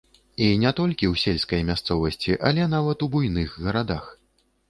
І не толькі ў сельскай мясцовасці, але нават у буйных гарадах.